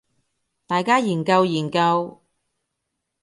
大家研究研究